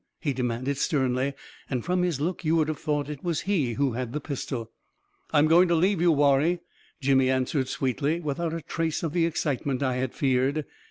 he demanded sternly, and from his look you would have thought it was he who had the pistol. II I'm going to leave you, Warrie," Jimmy an swered sweetly, without a trace of the excitement I had feared.